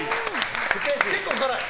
結構辛い？